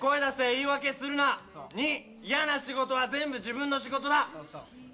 言い訳するなそう２嫌な仕事は全部自分の仕事だそうそう